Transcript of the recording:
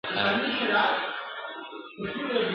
یا سېلابونه یا زلزلې دي !.